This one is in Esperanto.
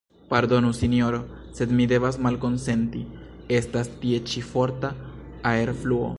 Pardonu, Sinjoro, sed mi devas malkonsenti, estas tie ĉi forta aerfluo.